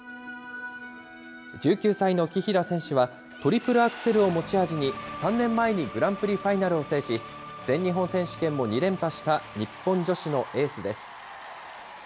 １９歳の紀平選手はトリプルアクセルを持ち味に、３年前にグランプリファイナルを制し、全日本選手権も２連覇した日本女子のエースです。